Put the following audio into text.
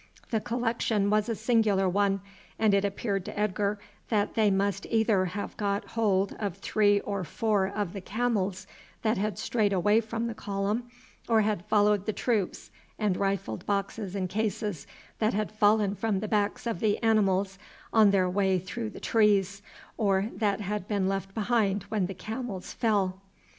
The collection was a singular one, and it appeared to Edgar that they must either have got hold of three or four of the camels that had strayed away from the column, or had followed the troops and rifled boxes and cases that had fallen from the backs of the animals on their way through the trees, or that had been left behind when the camels fell.